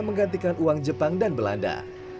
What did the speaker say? menggantikan uang jepang dan belanda